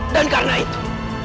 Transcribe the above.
dan karena itu